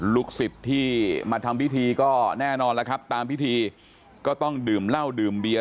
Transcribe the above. ลูกศิษย์ที่มาทำพิธีก็แน่นอนแล้วครับตามพิธีก็ต้องดื่มเหล้าดื่มเบียร์